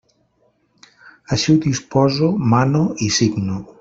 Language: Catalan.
Així ho disposo, mano i signo.